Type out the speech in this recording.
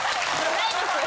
ないです。